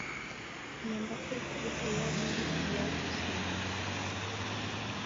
Nyumba ew'uduka iabidi diaghe zima